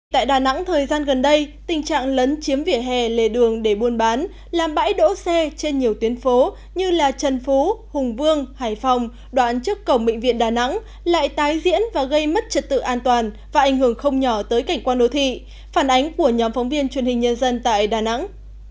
tại đà nẵng thời gian gần đây tình trạng lấn chiếm vỉa hè lề đường để buôn bán làm bãi đỗ xe trên nhiều tuyến phố như trần phú hùng vương hải phòng đoạn trước cổng bệnh viện đà nẵng lại tái diễn và gây mất trật tự an toàn và ảnh hưởng không nhỏ tới cảnh quan đô thị phản ánh của nhóm phóng viên truyền hình nhân dân tại đà nẵng